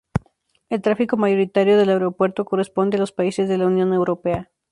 El tráfico mayoritario del aeropuerto corresponde a los países de la Unión Europea.